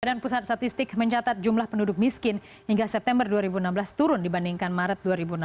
badan pusat statistik mencatat jumlah penduduk miskin hingga september dua ribu enam belas turun dibandingkan maret dua ribu enam belas